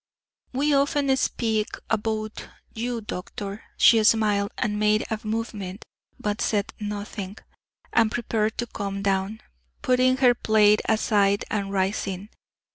We often speak aboot you, doctor." She smiled, and made a movement, but said nothing; and prepared to come down, putting her plaid aside and rising.